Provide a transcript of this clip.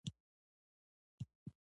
ایا ستاسو ونډه فعاله نه ده؟